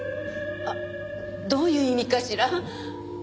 あどういう意味かしら？